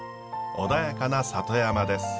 穏やかな里山です。